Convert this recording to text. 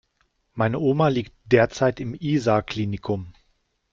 Meine Oma liegt derzeit im Isar Klinikum.